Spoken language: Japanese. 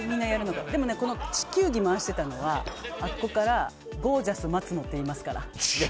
でもね、地球儀回してたのはあそこからゴージャス松野って言いますから。